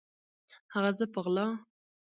هغه زه په غلا